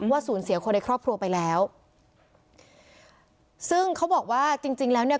สูญเสียคนในครอบครัวไปแล้วซึ่งเขาบอกว่าจริงจริงแล้วเนี่ย